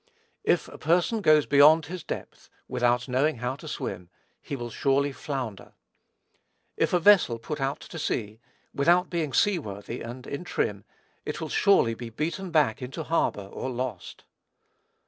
If a person goes beyond his depth, without knowing how to swim, he will surely flounder. If a vessel put out to sea, without being sea worthy and in trim, it will surely be beaten back into harbor, or lost.